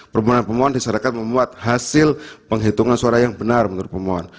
permohonan pemohon disarakan memuat hasil penghitungan suara yang benar menurut pemohon